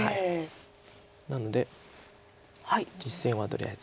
なので実戦はとりあえず。